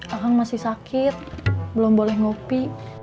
orang masih sakit belum boleh ngopi